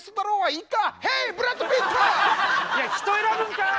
いや人選ぶんかい！